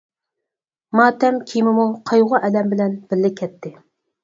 ماتەم كىيىمىمۇ قايغۇ-ئەلەم بىلەن بىللە كەتتى.